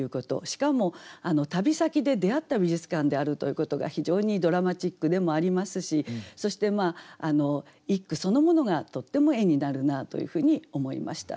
しかも旅先で出会った美術館であるということが非常にドラマチックでもありますしそして一句そのものがとっても絵になるなというふうに思いました。